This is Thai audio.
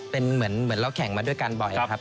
เป็นเหมือนเราแข่งมาด้วยกันบ่อยครับ